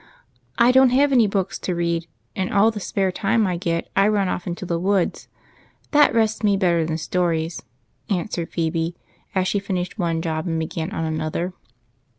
" I don't have any books to read, and all the spare time I get I run off into the woods ; that rests me better than stories," answered Phebe, as she finished one job and began on another.